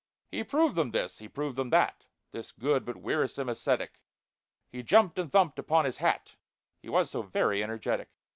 He proved them this—he proved them that— This good but wearisome ascetic; He jumped and thumped upon his hat, He was so very energetic.